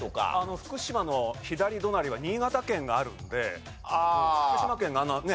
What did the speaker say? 福島の左隣は新潟県があるので福島県があんなね